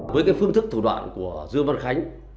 với phương thức thủ đoạn của dương văn khánh